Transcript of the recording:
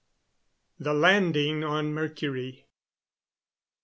THE LANDING ON MERCURY.